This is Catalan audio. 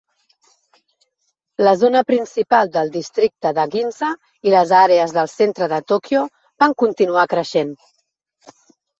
La zona principal del districte de Ginza i les àrees del centre de Tokyo van continuar creixent.